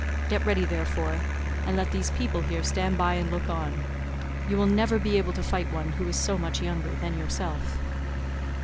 Get ready, therefore, and let these people here stand by and look on. You will never be able to fight one who is so much younger than yourself."